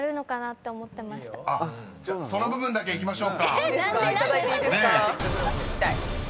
［じゃあその部分だけいきましょうか］